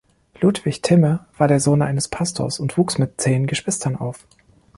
Ludwig Thimme war der Sohn eines Pastors und wuchs mit zehn Geschwister auf.